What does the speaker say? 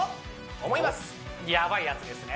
おっやばいやつですね